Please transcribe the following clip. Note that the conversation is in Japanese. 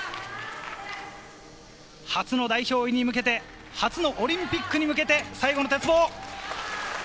初の代表に向けて、初のオリンピックに向けて最後の鉄棒。